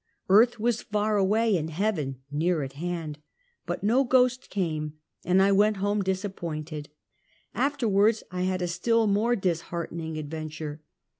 Earth was far away and heaven near at hand, but no ghost came, and I went home disappointed. Afterwards I had a still more disheartening adventure.